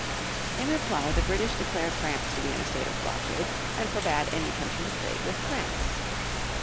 In reply the British declared France to be in a state of blockade, and forbade any country to trade with France.